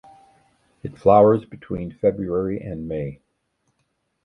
It flowers between February and May.